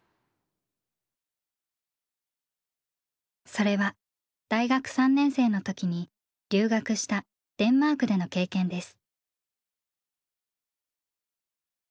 それは大学３年生の時に留学したデンマークでの経験です。